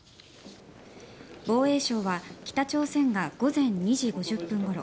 防衛省は北朝鮮が午前２時５０分ごろ